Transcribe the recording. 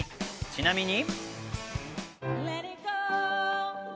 ちなみに。